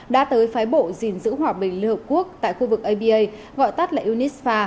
đã tới phái bộ gìn giữ hòa bình liên hợp quốc tại khu vực abaa gọi tắt là unisfa